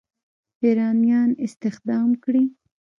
ایرانیان استخدام کړي.